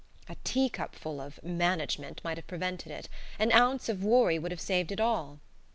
A teacupful of "management" might have prevented it; an ounce of worry would have saved it all.